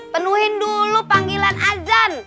penuhin dulu panggilan azan